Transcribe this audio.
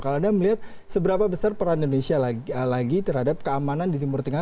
kalau anda melihat seberapa besar peran indonesia lagi terhadap keamanan di timur tengah